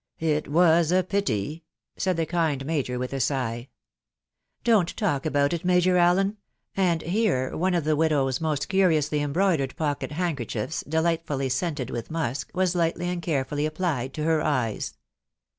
" It was a pity/'. ... said the kind major with a sigh. " Don t talk about it, Major Allen !".... and here one of the widow's most curiously embroidered pocket handkerchiefs, delightfully scented with musk, was lightly and carefully ap plied to her eyes.